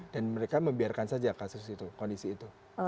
dan mereka membiarkan saja kasus itu kondisi itu